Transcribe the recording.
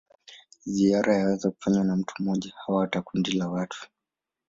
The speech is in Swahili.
Ziara yaweza kufanywa na mtu mmoja au hata kundi la watu.